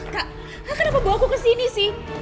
kak kenapa bawa aku ke sini sih